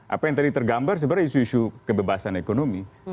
apa yang tadi tergambar sebenarnya isu isu kebebasan ekonomi